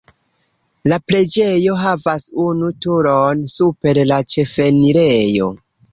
La preĝejo havas unu turon super la ĉefenirejo.